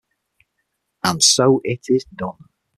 And so it is done.